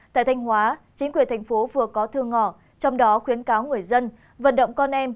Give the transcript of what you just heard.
tại thanh hóa chính quyền thành phố vừa có thư ngỏ trong đó khuyến cáo người dân vận động con em